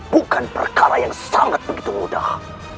bukan perkara yang sangat begitu mudah